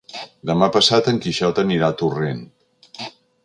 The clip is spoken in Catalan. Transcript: Demà passat en Quixot anirà a Torrent.